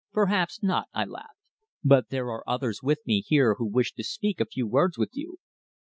"Perhaps not," I laughed. "But there are others with me here who wish to speak a few words with you."